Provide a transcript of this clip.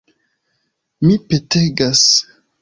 Mi petegas!